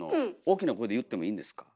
大きな声で言ってもいいんですか？